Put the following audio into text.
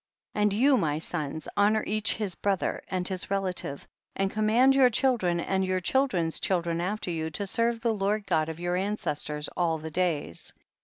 15. And you my sons, honor each his brother and his relative, and com mand your children and your child ren's children after you to serve the Lord God of your ancestors all the days, 16.